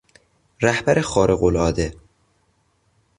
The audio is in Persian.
رهبر خارقالعاده